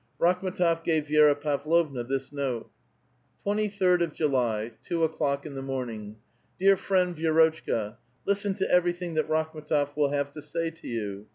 Rakhm^tof gave Vi^ra Pavlovna this note :—'* Twenty third of July; two o'clock in the morning. Dear friend Vi^rotchka, listen to everything that Rakhm^tof will have to say to you.